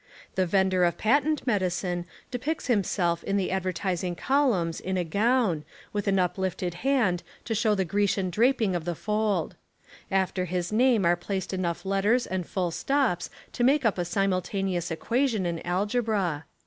The vendor of patent medicine depicts himself in the ad vertising columns in a gown, with an uplifted hand to shew the Grecian draping of the fold. After his name are placed enough letters and full stops to make up a simultaneous equation in algebra.